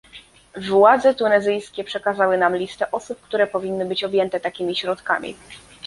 Władze tunezyjskie przekazały nam listę osób, które powinny być objęte takimi środkami